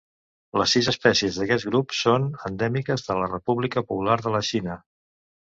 Les sis espècies d'aquest grup són endèmiques de la República Popular de la Xina.